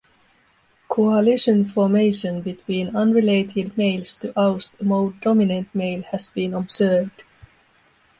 Coalition formation between unrelated males to oust a more dominant male has been observed.